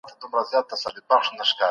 د پروردګار په وړاندې ټول انسانان مساوي دي.